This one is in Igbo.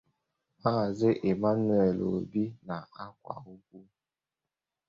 Maazị Emmanuel Obi n'Akwa-Ukwu